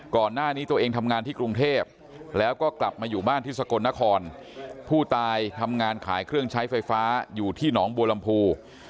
ก่อนหน้านี้ตัวเองทำงานที่กรุงเทพแล้วก็กลับมาอยู่บ้านที่สกลนครผู้ตายทำงานขายเครื่องใช้ไฟฟ้าอยู่ที่หนองบัวลำพู